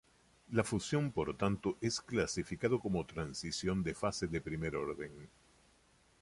La fusión por tanto es clasificado como transición de fase de primer orden.